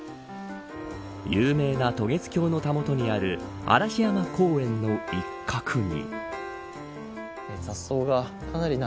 有名な渡月橋のたもとにある嵐山公園の一角に。